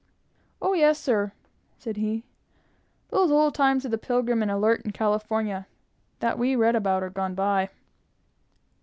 "O yes, sir," said he, "those old times of the Pilgrim and Alert and California, that we read about, are gone by."